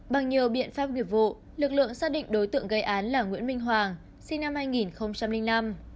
bằng nhiều biện pháp nghiệp vụ lực lượng xác định đối tượng gây án là nguyễn minh hoàng sinh năm hai nghìn năm